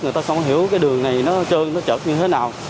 người ta không hiểu cái đường này nó trơn nó chập như thế nào